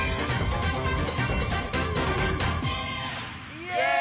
イエイ！